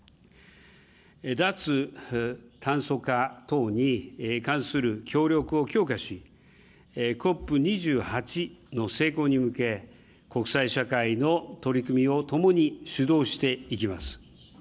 脱炭素化等に関する協力を強化し、ＣＯＰ２８の成功に向け、国際社会の取り組みを共に主導していきます。